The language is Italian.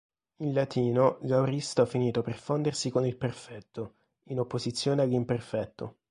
In latino, l'aoristo ha finito per fondersi con il perfetto, in opposizione all'imperfetto.